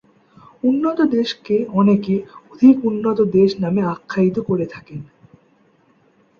উন্নত দেশকে অনেকে "অধিক উন্নত দেশ" নামে আখ্যায়িত করে থাকেন।